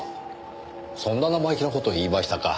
そんな生意気な事を言いましたか。